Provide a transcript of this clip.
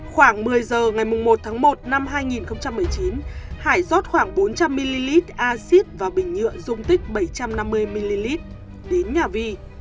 khoảng một mươi giờ ngày một tháng một năm hai nghìn một mươi chín hải rót khoảng bốn trăm linh ml acid và bình nhựa dung tích bảy trăm năm mươi ml đến nhà vi